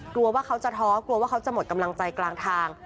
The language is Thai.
กลัวว่าเขาจะท้อกลัวว่าเขาจะหมดกำลังใจกลางทาง